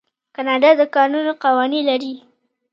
کاناډا د کانونو قوانین لري.